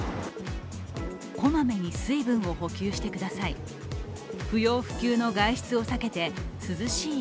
小まめに水分を補給してください。